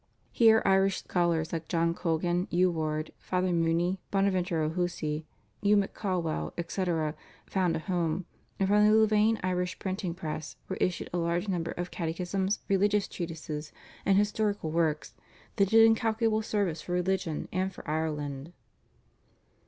Here Irish scholars like John Colgan, Hugh Ward, Father Mooney, Bonaventure O'Hussey, Hugh MacCaghwell, etc., found a home, and from the Louvain Irish printing press were issued a large number of catechisms, religious treatises, and historical works, that did incalculable service for religion and for Ireland.